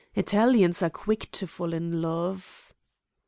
Italians are quick to fall in love."